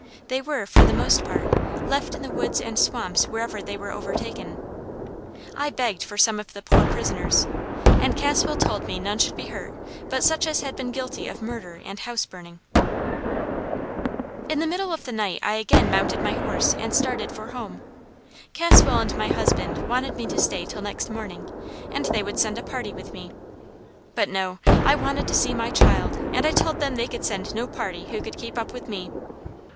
They were, for the most part, left in the woods and swamps wherever they were overtaken. I begged for some of the poor prisoners, and Caswell told me none should be hurt but such as had been guilty of murder and house burning. "In the middle of the night I again mounted my horse and started for home. Caswell and my husband wanted me to stay till next morning, and they would send a party with me; but no! I wanted to see my child, and I told them they could send no party who could keep up with me.